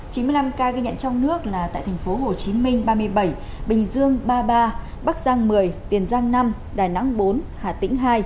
chín mươi năm ca ghi nhận trong nước là tại tp hcm ba mươi bảy bình dương ba mươi ba bắc giang một mươi tiền giang năm đà nẵng bốn hà tĩnh hai